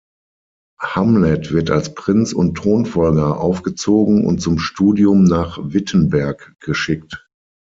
Hamlet wird als Prinz und Thronfolger aufgezogen und zum Studium nach Wittenberg geschickt.